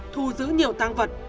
thu giữ nhiều tăng vật